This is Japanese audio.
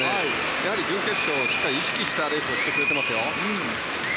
やはり準決勝をしっかり意識したレースをしてくれていると思います。